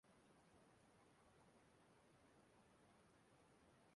ma kwalitekwa ịgụ akwụkwọ